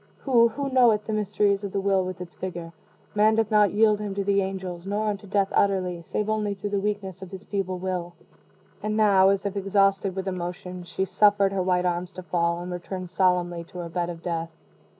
Who who knoweth the mysteries of the will with its vigor? Man doth not yield him to the angels, nor unto death utterly, save only through the weakness of his feeble will." And now, as if exhausted with emotion, she suffered her white arms to fall, and returned solemnly to her bed of death.